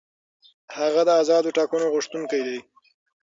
هغه د آزادو ټاکنو غوښتونکی دی.